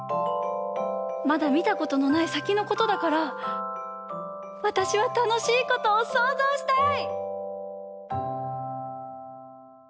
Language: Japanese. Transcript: まだみたことのないさきのことだからわたしはたのしいことをそうぞうしたい！